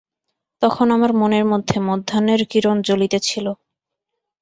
তখন আমার মনের মধ্যে মধ্যাহ্নের কিরণ জ্বলিতেছিল।